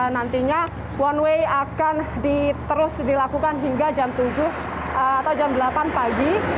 nantinya one way akan terus dilakukan hingga jam tujuh atau jam delapan pagi